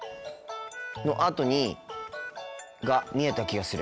のあとにが見えた気がする。